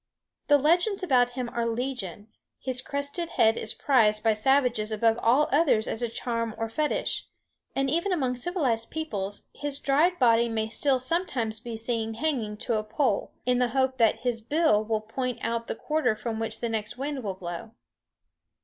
The legends about him are legion; his crested head is prized by savages above all others as a charm or fetish; and even among civilized peoples his dried body may still sometimes be seen hanging to a pole, in the hope that his bill will point out the quarter from which the next wind will blow.